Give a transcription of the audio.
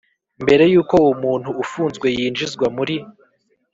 Mbere y uko umuntu ufunzwe yinjizwa muri